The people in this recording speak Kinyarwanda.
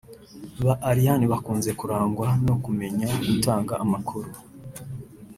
Ba Ariane bakunze kurangwa no kumenya gutanga amakuru